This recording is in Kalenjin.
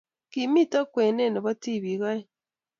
Kimito kwenet ne bo tibiik oeng.